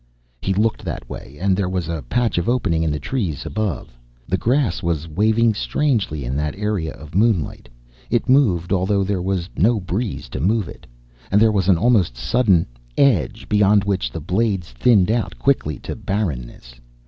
He looked that way, and there was a patch of opening in the trees above. The grass was waving strangely in that area of moonlight. It moved, although there was no breeze to move it. And there was an almost sudden edge, beyond which the blades thinned out quickly to barrenness.